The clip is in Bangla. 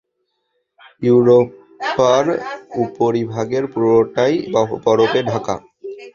ইউরোপার উপরিভাগের পুরোটাই বরফে ঢাকা।